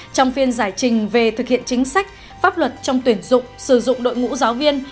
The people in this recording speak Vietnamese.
trong phiên giải trình về thực hiện chính sách pháp luật trong tuyển dụng sử dụng đội ngũ giáo viên